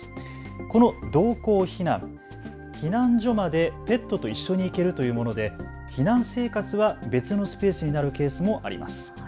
この同行避難、避難所までペットと一緒に行けるというもので避難生活は別のスペースになるケースもあります。